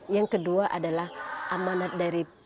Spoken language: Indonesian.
yang kedua adalah amanat dari